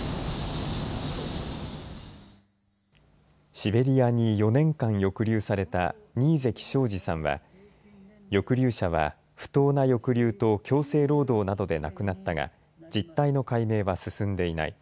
シベリアに４年間抑留された新関省二さんは抑留者は不当な抑留と強制労働などで亡くなったが実態の解明は進んでいない。